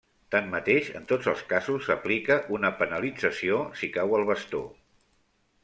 Tanmateix en tots els casos s'aplica una penalització si cau el bastó.